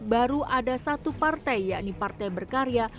baru ada satu partai yakni partai berkarya